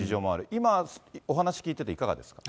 今お話聞いてていかがですか？